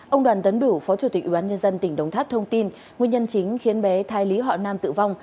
ông đoàn tấn bửu phó chủ tịch ubnd tỉnh đồng tháp thông tin nguyên nhân chính khiến bé thai lý họ nam tử vong